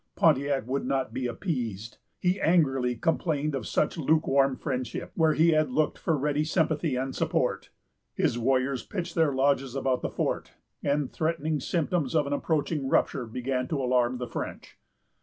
Pontiac would not be appeased. He angrily complained of such lukewarm friendship, where he had looked for ready sympathy and support. His warriors pitched their lodges about the fort, and threatening symptoms of an approaching rupture began to alarm the French.